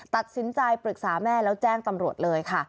ตัดสินใจปรึกษาแม่แล้วแจ้งตำรวจเลยค่ะ